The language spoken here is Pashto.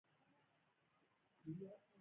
د پنجشیر په بازارک کې د مرمرو نښې شته.